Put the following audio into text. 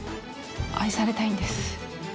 愛されたいんです。